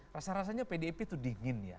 rasa rasanya pdip itu dingin ya